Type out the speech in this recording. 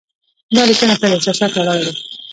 دا لیکنه پر احساساتو ولاړه ده.